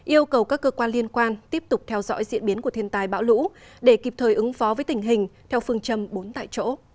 yêu cầu các cơ quan liên quan tiếp tục theo dõi diễn biến của thiên tài bão lũ để kịp thời ứng phó với tình hình theo phương châm bốn tại chỗ